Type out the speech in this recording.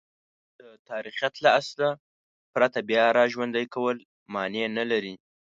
د تاریخیت له اصله پرته بیاراژوندی کول مانع نه لري.